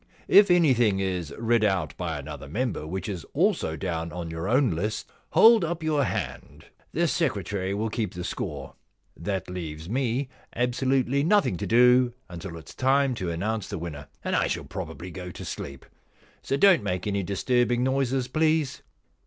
If anything is read out by another member which is also down on your P.c. 205 o The Problem Club own list, hold up your hand. The secretary will keep the score. That leaves me absolutely nothing to do until it is time to announce the winner, and I shall probably go to sleep. So don't make any disturbing noises, please.